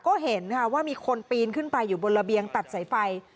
ก็เห็นค่ะว่ามีคนปีนขึ้นไปอยู่บนระเบียงตัดสายไฟ